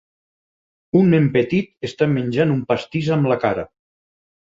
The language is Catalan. Un nen petit està menjant un pastís amb la cara.